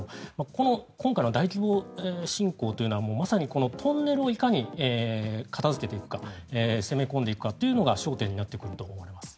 この今回の大規模侵攻というのはまさにこのトンネルをいかに片付けていくか攻め込んでいくかというのが焦点になってくると思います。